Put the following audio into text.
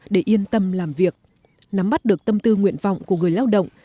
để yên tâm làm việc nắm bắt được tâm tư nguyện vọng của người lao động